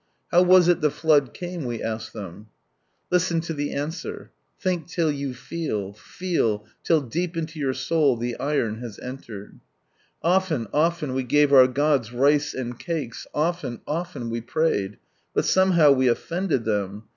" How was it the flood came ?" we asked them. Co worker Listen to the answer, think till you feel, feel, till deep into your soul the iron has entered. " Often, often we gave our gods rice and cakes, often, often we prayed ; but somehow we offended them.